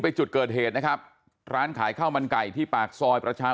จุดเกิดเหตุนะครับร้านขายข้าวมันไก่ที่ปากซอยประชา